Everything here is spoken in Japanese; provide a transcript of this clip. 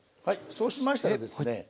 そうしましたらですね